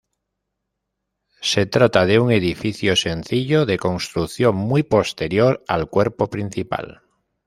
Se trata de un edificio sencillo de construcción muy posterior al cuerpo principal.